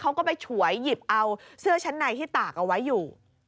เขาก็ไปฉวยหยิบเอาเสื้อชั้นในที่ตากเอาไว้อยู่